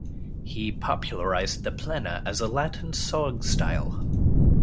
He popularised the plena as a Latin song style.